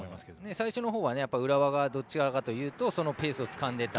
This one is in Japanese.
最初のほうは浦和がどちらかというとペースをつかんでいた。